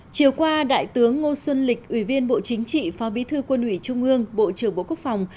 chiều qua đại tướng ngô xuân lịch ủy viên bộ chính trị phó bí thư quân ủy trung ương bộ trưởng bộ quốc phòng